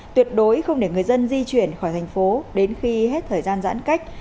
tuyệt đối không để người dân di chuyển khỏi thành phố đến khi hết thời gian giãn cách